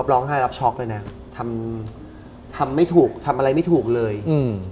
ร้องไห้รับช็อกเลยนะทำทำไม่ถูกทำอะไรไม่ถูกเลยอืม